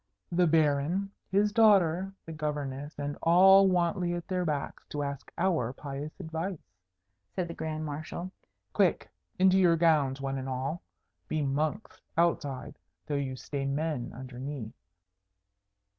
"The Baron, his daughter, the Governess, and all Wantley at their backs, to ask our pious advice," said the Grand Marshal. "Quick, into your gowns, one and all! Be monks outside, though you stay men underneath."